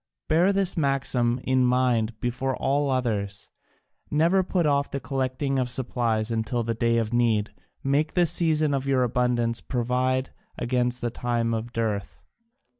Bear this maxim in mind before all others never put off the collecting of supplies until the day of need, make the season of your abundance provide against the time of dearth.